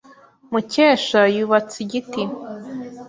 Mukesha yubatse igiti.